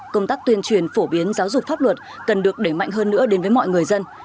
công tác tuyên truyền phổ biến giáo dục pháp luật cần được để mạnh hơn nữa đến với mọi người dân